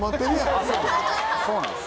そうなんです。